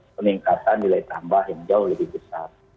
dan juga peningkatan nilai tambah yang jauh lebih besar